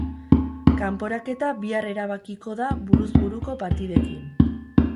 Kanporaketa bihar erabakiko da buruz buruko partidekin.